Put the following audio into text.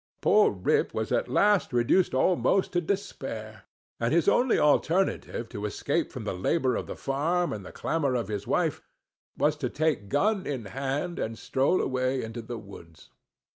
Poor Rip was at last reduced almost to despair; and his only alternative, to escape from the labor of the farm and clamor of his wife, was to take gun in hand and stroll away into the woods.